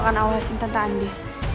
aku akan awal hasil tante anies